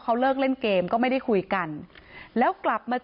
เพราะไม่มีเงินไปกินหรูอยู่สบายแบบสร้างภาพ